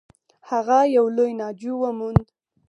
هغه یو لوی ناجو و موند.